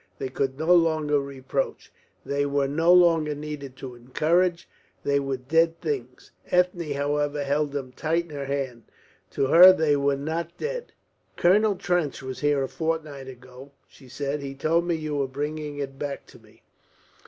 They could no longer reproach, they were no longer needed to encourage, they were dead things. Ethne, however, held them tight in her hand; to her they were not dead. "Colonel Trench was here a fortnight ago," she said. "He told me you were bringing it back to me."